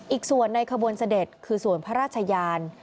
อีกส่วนในขบวนเสด็จคือส่วนพระราชยาน